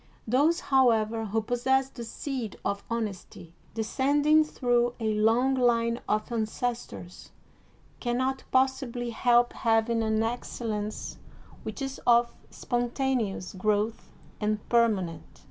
Those, however, who possess the seed of honesty, descending through a long line of ances tors, can not possibly help having an excellence which is of spontaneous growth and permanent.